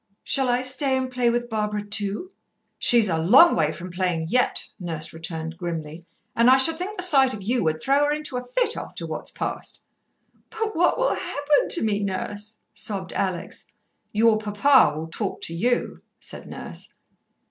"Shall I stay and play with Barbara too?" "She's a long way from playing yet," Nurse returned grimly. "And I should think the sight of you would throw her into a fit, after what's passed." "But what will happen to me, Nurse?" sobbed Alex. "Your Papa will talk to you," said Nurse.